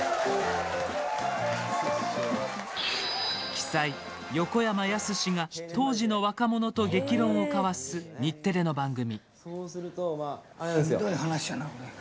鬼才・横山やすしが当時の若者と激論を交わす日テレの番組。